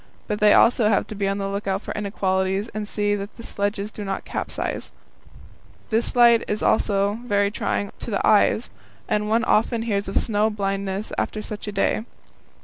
But they also have to be on the lookout for inequalities, and see that the sledges do not capsize. This light is also very trying to the eyes, and one often hears of snow blindness after such a day.